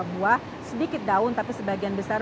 buah sedikit daun tapi sebagian besar